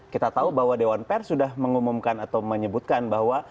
kita tahu bahwa dewan pers sudah mengumumkan atau menyebutkan bahwa